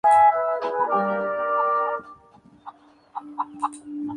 Sus patas los hacen torpes en la tierra, por ello raramente dejan el agua.